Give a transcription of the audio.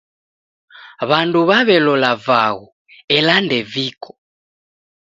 W'andu w'aw'elola vaghu, ela ndeviko